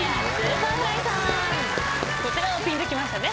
こちらはぴんときましたね。